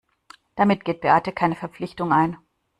Damit geht Beate keine Verpflichtung ein.